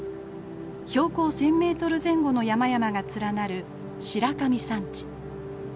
標高１，０００メートル前後の山々が連なる白神山地。